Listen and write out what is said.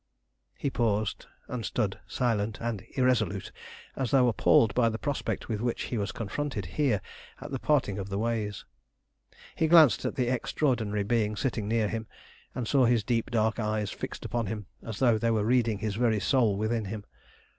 He paused, and stood silent and irresolute, as though appalled by the prospect with which he was confronted here at the parting of the ways. He glanced at the extraordinary being sitting near him, and saw his deep, dark eyes fixed upon him, as though they were reading his very soul within him.